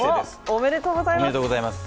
おめでとうございます。